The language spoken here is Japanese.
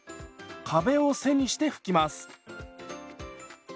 壁を背にして拭きます。